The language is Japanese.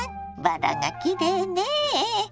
バラがきれいねえ。